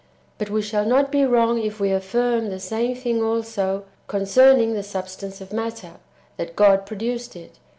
7. But we shall not be wrong if we affirm the same thing also concerning the substance of matter, that God produced it.